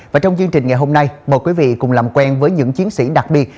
và trong chương trình ngày hôm nay mời quý vị cùng làm quen với những chiến sĩ đặc biệt